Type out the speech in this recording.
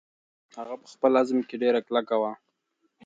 هغه په خپل عزم کې ډېره کلکه وه.